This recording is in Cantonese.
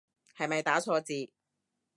係咪打錯字